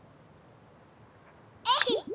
えい！